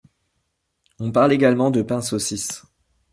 On parle également de pains saucisse.